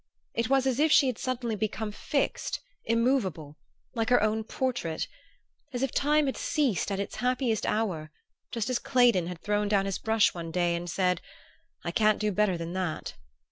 It was as if she had suddenly become fixed, immovable, like her own portrait: as if Time had ceased at its happiest hour, just as Claydon had thrown down his brush one day and said, 'I can't do better than that.